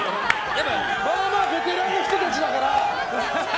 まあまあベテランの人たちだから。